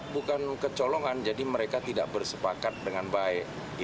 bukan kecolongan jadi mereka tidak bersepakat dengan baik